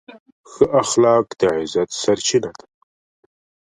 ښه اخلاق د عزت سرچینه ده.